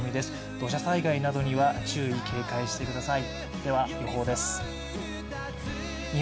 土砂災害などには注意・警戒してください。